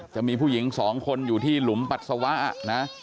จะมีผู้หญิงสองคนอยู่ที่หลุมปัสสาวะนะ